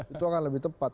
itu akan lebih tepat